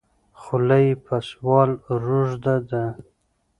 خوله یې په سوال روږده ده.